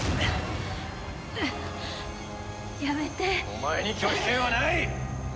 お前に拒否権はない！